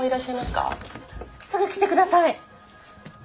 すぐ来てください！